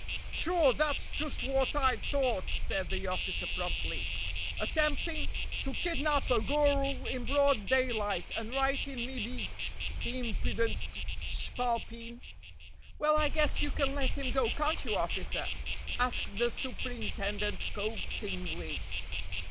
"Sure, dat's just wot I t'ought," said the officer promptly; "attempting to kidnap a gurrul in broad daylight and right in me beat, the impudent shpalpeen!" "Well, I guess you can let him go, can't you, officer?" asked the superintendent coaxingly.